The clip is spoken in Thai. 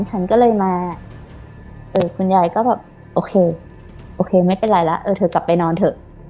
ฉันก็เลยมาเออคุณยายก็แบบโอเคโอเคไม่เป็นไรแล้วเออเธอกลับไปนอนเถอะ